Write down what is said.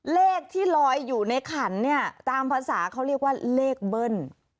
เลขที่ลอยอยู่ในขันเนี่ยตามภาษาเขาเรียกว่าเลขเบิ้ล